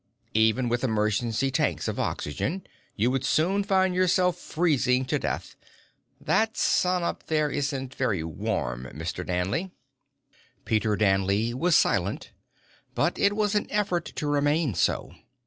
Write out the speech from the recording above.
Even with emergency tanks of oxygen, you would soon find yourself freezing to death. That sun up there isn't very warm, Mr. Danley." Peter Danley was silent, but it was an effort to remain so.